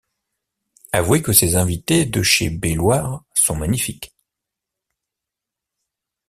Avouez que ces « invités de chez Belloir » sont magnifiques.